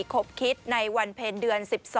ครบคิดในวันเพลงเดือน๑๒